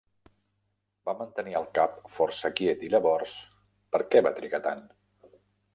Va mantenir el cap força quiet i llavors... per què va trigar tant?